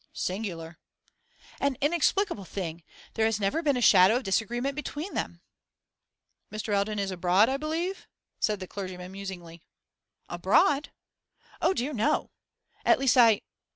'Singular!' 'An inexplicable thing! There has never been a shadow of disagreement between them.' 'Mr. Eldon is abroad, I believe?' said the clergyman musingly. 'Abroad? Oh dear, no! At least, I